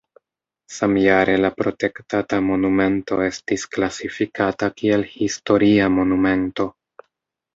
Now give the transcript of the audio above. Samjare la protektata monumento estis klasifikata kiel historia monumento.